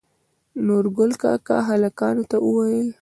نورګل کاکا هلکانو ته وويل